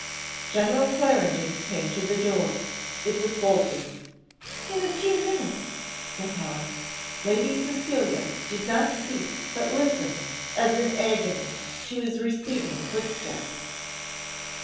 General Clarendon came to the door it was bolted. "In a few minutes," said Helen. Lady Cecilia did not speak, but listened, as in agony, to his receding footsteps.